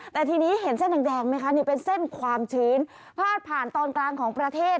แต่ทีนี้เห็นเส้นแดงไหมคะนี่เป็นเส้นความชื้นพาดผ่านตอนกลางของประเทศ